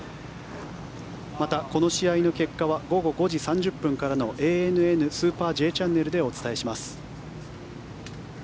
また、この試合の結果は午後５時３０分からの「ＡＮＮスーパーＪチャンネル」でお伝えします。